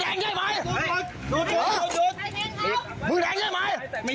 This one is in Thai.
เอ้าทำไมทำไม